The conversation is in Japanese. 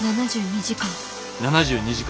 ７２時間。